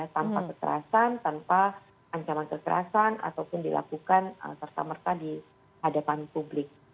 tanpa kekerasan tanpa ancaman kekerasan ataupun dilakukan serta merta di hadapan publik